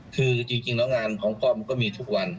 คือจริงแล้วงานของพ่อมันก็มีทุกวัน